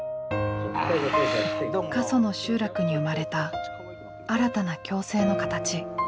過疎の集落に生まれた新たな共生の形。